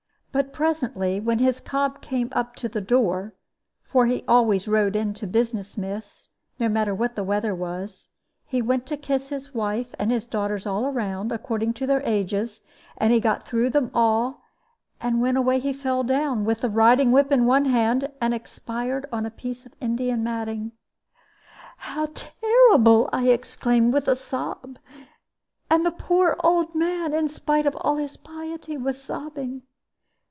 But presently when his cob came up to the door for he always rode in to business, miss, no matter what the weather was he went to kiss his wife and his daughters all round, according to their ages; and he got through them all, when away he fell down, with the riding whip in one hand, and expired on a piece of Indian matting." "How terrible!" I exclaimed, with a sob. And the poor old man, in spite of all his piety, was sobbing.